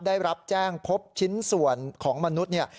ได้รับแจ้งพบชิ้นส่วนของมนุษย์เนี่ย